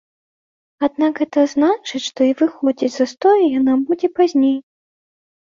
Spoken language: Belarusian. Аднак гэта значыць, што і выходзіць з застою яна будзе пазней.